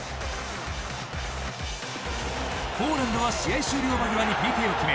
ポーランドは試合終了間際にＰＫを決め